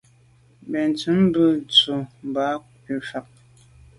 Benntùn be se’ ndù ba’ à kù fa.